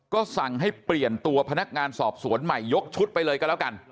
ก็สั่งให้เปลี่ยนตัวพนักงานสอบสวนใหม่ยกชุดไปเลยก็แล้วกัน